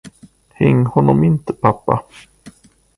Häng honom inte, pappa!